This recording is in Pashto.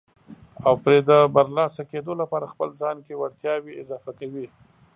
او پرې د برلاسه کېدو لپاره خپل ځان کې وړتیاوې اضافه کوي.